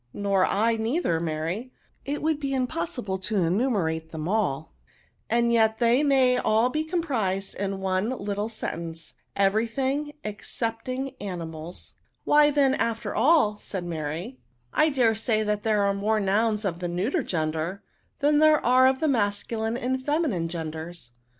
Nor I, neither, Mary ; it would be im possible to enumerate them all ; and yet they may all be comprised in one little sentence ; every thii^, excepting animals." « Why then,. after all," said Mary, " I M 2 124 NOUNS. dare say that there are more nouns of the neuter gender, then there are of the mascu line and feminine genders.'